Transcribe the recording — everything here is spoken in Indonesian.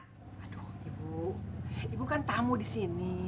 aduh ibu ibu kan tamu disini